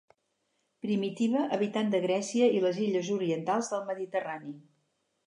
Primitiva habitant de Grècia i les illes orientals del Mediterrani.